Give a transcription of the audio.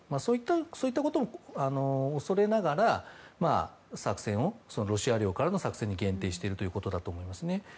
そういったことも恐れながらロシア領からの作戦に限定しているということだと思います。